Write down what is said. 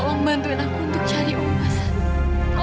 kamu bantuin aku untuk cari oma san